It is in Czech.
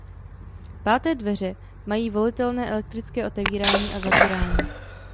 Páté dveře mají volitelné elektrické otevírání a zavírání.